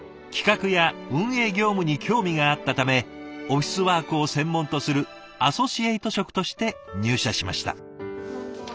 企画や運営業務に興味があったためオフィスワークを専門とするアソシエイト職として入社しました。